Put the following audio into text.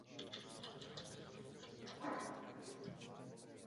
Později se dostal zpět do držení rodiny Lobkoviců.